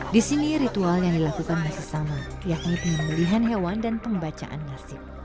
di sini ritual yang dilakukan masih sama yakni penyembelihan hewan dan pembacaan nasib